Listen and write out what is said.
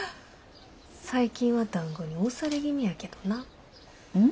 最近はだんごに押され気味やけどな。